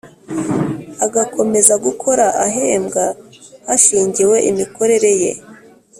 agakomeza gukora ahembwa hashingiwe imikorere ye